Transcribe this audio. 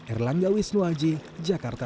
erlangga wisnuwaji jakarta